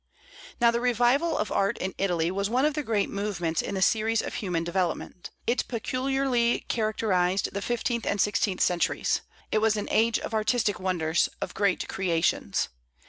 Now the revival of art in Italy was one of the great movements in the series of human development. It peculiarly characterized the fifteenth and sixteenth centuries. It was an age of artistic wonders, of great creations.